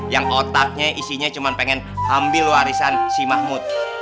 yang otaknya isinya cuma pengen ambil warisan si mahmud